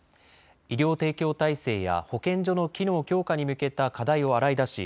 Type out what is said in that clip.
医療提供体制や保健所の機能強化に向けた課題を洗い出し